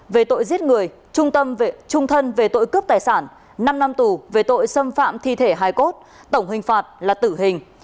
về tội giết người trung tâm trung thân về tội cướp tài sản năm năm tù về tội xâm phạm thi thể hai cốt tổng hình phạt là tử hình